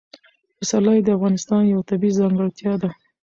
پسرلی د افغانستان یوه طبیعي ځانګړتیا ده.